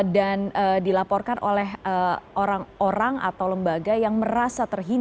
dan dilaporkan oleh orang orang atau lembaga yang merasa terhina